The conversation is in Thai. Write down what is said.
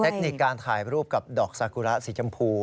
เทคนิคการถ่ายรูปกับดอกซากุระสีชมพู